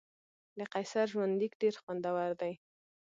د قیصر ژوندلیک ډېر خوندور دی.